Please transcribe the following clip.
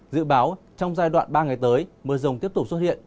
dự báo trong giai đoạn ba ngày tới mưa rông tiếp tục xuất hiện